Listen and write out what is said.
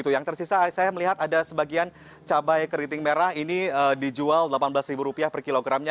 yang tersisa saya melihat ada sebagian cabai keriting merah ini dijual rp delapan belas per kilogramnya